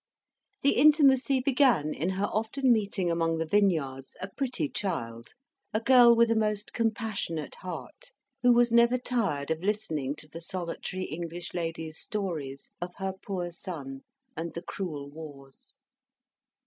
The intimacy began in her often meeting among the vineyards a pretty child, a girl with a most compassionate heart, who was never tired of listening to the solitary English lady's stories of her poor son and the cruel wars.